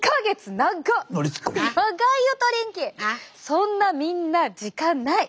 そんなみんな時間ない！